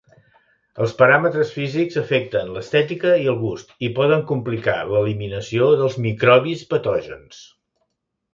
Els paràmetres físics afecten l'estètica i el gust i poden complicar l'eliminació dels microbis patògens.